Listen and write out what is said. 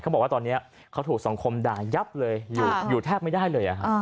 บอกว่าตอนนี้เขาถูกสังคมด่ายับเลยอยู่แทบไม่ได้เลย